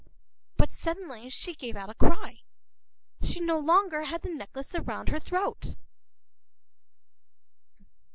But suddenly she gave a cry. She no longer had the necklace around her throat!